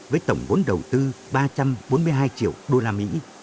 với tổng vốn đầu tư ba trăm bốn mươi hai triệu đô la mỹ